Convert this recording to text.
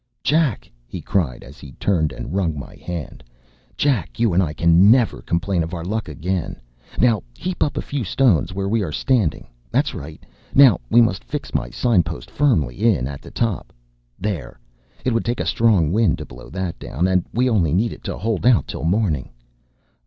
“Jack,” he cried, as he turned and wrung my hand “Jack, you and I can never complain of our luck again. Now heap up a few stones where we are standing. That’s right. Now we must fix my sign post firmly in at the top. There! It would take a strong wind to blow that down; and we only need it to hold out till morning.